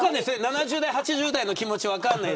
７０代、８０代の気持ちは分からない。